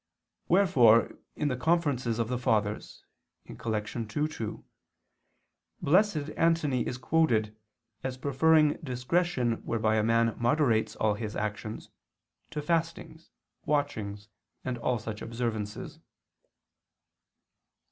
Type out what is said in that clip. Wherefore in the Conferences of the Fathers (Coll. ii, 2) Blessed Antony is quoted, as preferring discretion whereby a man moderates all his actions, to fastings, watchings, and all such observances.